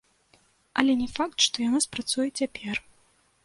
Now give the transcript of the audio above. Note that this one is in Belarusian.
Але не факт, што яна спрацуе цяпер.